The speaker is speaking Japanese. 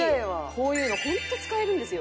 こういうの本当使えるんですよ。